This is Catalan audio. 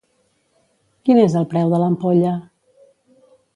Quin és el preu de l'ampolla?